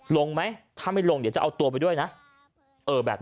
ลงไหมถ้าไม่ลงเดี๋ยวจะเอาตัวไปด้วยนะ